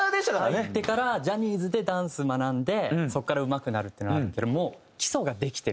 入ってからジャニーズでダンス学んでそこからうまくなるっていうのはあるけどもう。